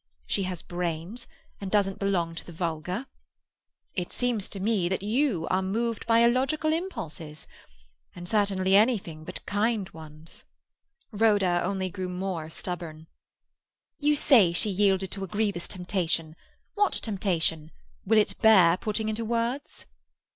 She has brains, and doesn't belong to the vulgar. It seems to me that you are moved by illogical impulses—and certainly anything but kind ones." Rhoda only grew more stubborn. "You say she yielded to a grievous temptation. What temptation? Will it bear putting into words?"